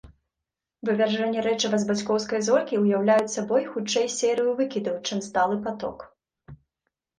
Вывяржэнні рэчыва з бацькоўскай зоркі ўяўляюць сабой хутчэй серыю выкідаў, чым сталы паток.